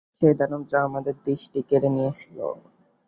সেই দানব যা আমার দৃষ্টি কেড়ে নিয়েছিল।